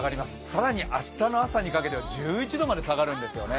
更に明日の朝にかけては１１度まで下がるんですよね。